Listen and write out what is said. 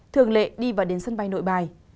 thường lệ đi và đến sân bay nội bài